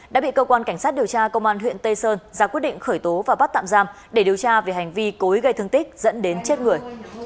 đã bị cơ quan cảnh sát điều tra công an huyện tây sơn ra quyết định khởi tố và bắt tạm giam để điều tra về hành vi cối gây thương tích dẫn đến chết người